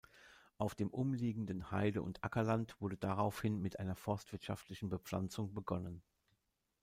Auf dem umliegenden Heide- und Ackerland wurde daraufhin mit einer forstwirtschaftlichen Bepflanzung begonnen.